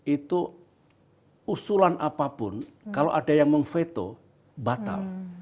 itu usulan apapun kalau ada yang meng veto batal